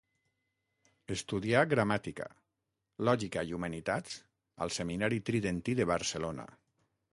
Estudià gramàtica, lògica i humanitats al Seminari Tridentí de Barcelona.